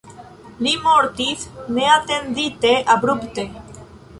Li mortis neatendite abrupte.